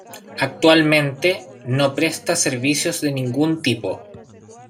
Actualmente, no presta servicios de ningún tipo.